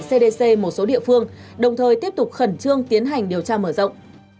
cơ quan điều tra bộ công an đã tiếp tục khẩn trương tiến hành điều tra mở rộng